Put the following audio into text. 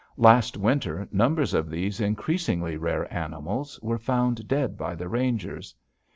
Last winter numbers of these increasingly rare animals were found dead by the rangers.